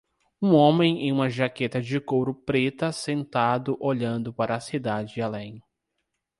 Um homem em uma jaqueta de couro preta sentado olhando para a cidade além.